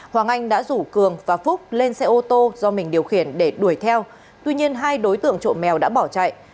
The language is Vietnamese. hoàng anh đã rủ cường và phúc lên xe ô tô do mình điều khiển để đuổi theo tuy nhiên hai đối tượng trộm mèo đã bỏ chạy